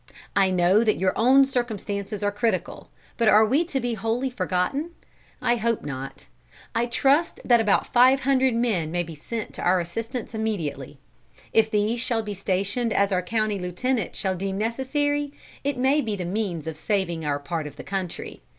I know that your own circumstances are critical; but are we to be wholly forgotten? I hope not. I trust that about five hundred men may be sent to our assistance immediately. If these shall be stationed as our county lieutenant shall deem necessary, it may be the means of saving our part of the country.